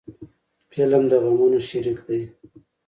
فلم د غمونو شریک دی